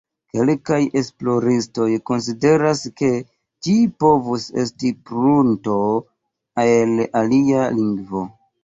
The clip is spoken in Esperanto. Kelkaj esploristoj konsideras ke ĝi povus estis prunto el alia lingvo.